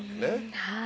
はい。